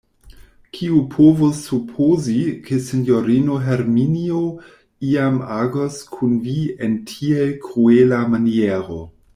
Kiu povus supozi, ke sinjorino Herminio iam agos kun vi en tiel kruela maniero!